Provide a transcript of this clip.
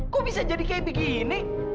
kok bisa jadi kayak begini